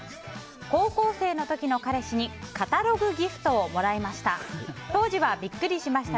高校生の時の彼氏にカタログギフトをもらいました。